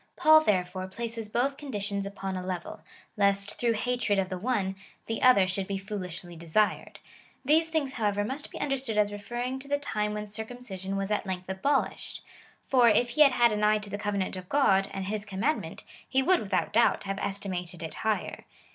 Paul, therefore, places both conditions upon a level, lest, through hatred of the one, the other should be foolishly desired. These things, however, must be understood as referring to the time when circumcision was at length abolished ; for, if he had had an eye to the covenant of God, and his commandment, he would, without doubt, have estimated it higher.